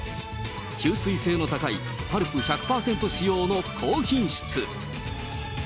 吸水性の高いパルプ１００％使用の高品質。